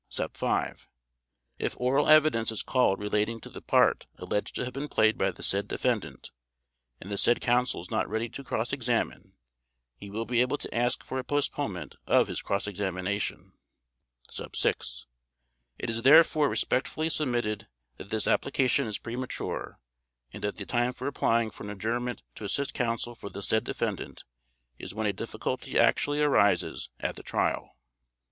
5) If oral evidence is called relating to the part alleged to have been played by the said defendant and the said Counsel is not ready to cross examine, he will be able to ask for a postponement of his cross examination. 6) It is therefore respectfully submitted that this Application is premature, and that the time for applying for an adjournment to assist Counsel for the said defendant is when a difficulty actually arises at the Trial.